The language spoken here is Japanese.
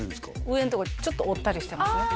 上のとこちょっと折ったりしてますね